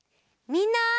みんな！